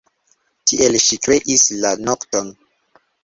Tiel ŝi kreis la nokton.